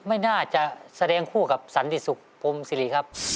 ไม่น่าจะแสดงคู่กับสันติสุขพรมศิริครับ